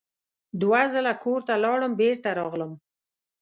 دوه ځله کور ته لاړم بېرته راغلم.